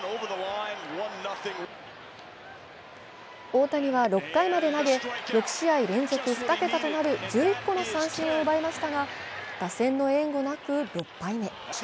大谷は６回まで投げ６試合連続２桁となる１１個の三振を奪いましたが打線の援護なく、６敗目。